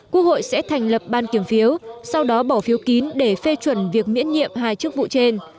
quốc hội sẽ thành lập ban kiểm phiếu sau đó bỏ phiếu kín để phê chuẩn việc miễn nhiệm hai chức vụ trên